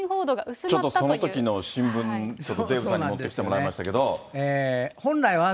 ちょっとそのときの新聞、デーブさんに持ってきてもらいまし本来は。